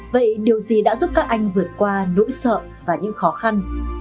vậy điều gì đã giúp các anh vượt qua nỗi sợ và những khó khăn